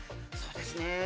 そうですね